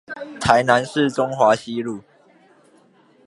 台南市中華西路